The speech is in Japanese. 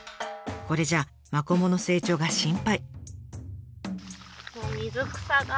これじゃマコモの成長が心配。